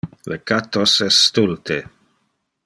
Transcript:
Le cattos es stulte.